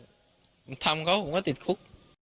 ผมทำเขาผมก็ติดคุก